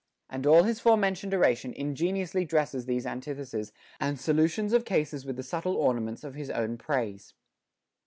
* And all his foremen tioned oration ingeniously dresses these antitheses and solu tions of cases with the subtle ornaments of his own praise.